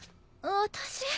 私。